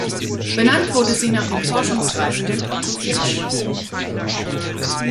Benannt wurde sie nach dem Forschungsreisenden Otto Finsch.